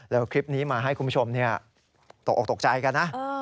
แล้วคลิปนี้มาให้คุณผู้ชมตกออกตกใจกันนะ